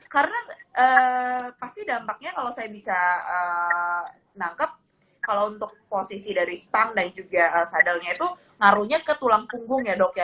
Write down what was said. karena pasti dampaknya kalau saya bisa nangkep kalau untuk posisi dari stang dan juga sadelnya itu ngaruhnya ke tulang punggung ya dok ya